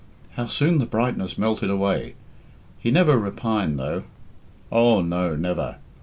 How soon the brightness melted away! He never repined, though. Oh, no, never.